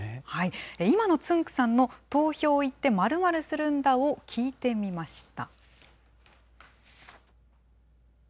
今のつんく♂さんの投票行って〇〇するんだを聞いてみました。